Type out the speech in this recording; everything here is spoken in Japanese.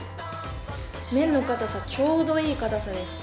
麺の硬さ、ちょうどいい硬さです